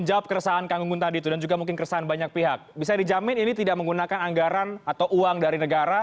atau dalam tanda kutip menunggangi